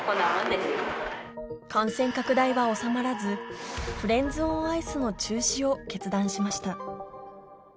感染拡大は収まらずフレンズオンアイスの中止を決断しました